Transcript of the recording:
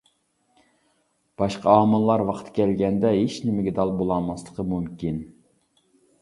باشقا ئامىللار ۋاقتى كەلگەندە ھېچنېمىگە دال بولالماسلىقى مۇمكىن.